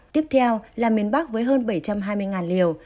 tiếp theo là miền bắc với hơn bảy trăm hai mươi liều